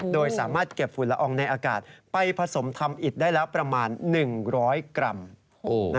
โดยสามารถเก็บฝุ่นละอองในอากาศไปผสมทำอิดได้แล้วประมาณ๑๐๐กรัม